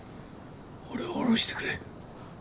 俺を下ろしてくれ。